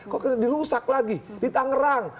kok kita dirusak lagi ditangerang